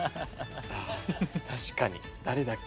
確かに誰だっけ？